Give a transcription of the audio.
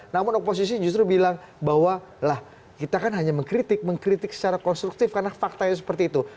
namun oposisi justru bilang bahwa lah kita kan hanya mengkritik mengkritik secara konstruktif karena faktanya seperti itu